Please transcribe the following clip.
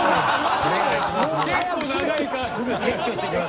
お願いします